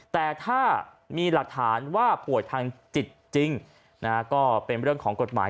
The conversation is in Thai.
แต่ถ้ามีหลักฐานว่าป่วยทางจิตจริงก็เป็นเรื่องของกฎหมาย